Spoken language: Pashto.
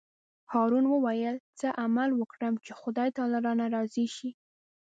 هارون وویل: څه عمل وکړم چې خدای تعالی رانه راضي شي.